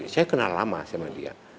saya kenal lama sama dia